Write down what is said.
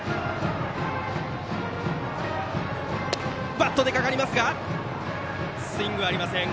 バットが出かかりますがスイングはありません。